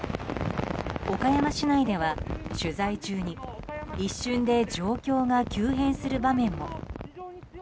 岡山市内では取材中に一瞬で状況が急変する場面も。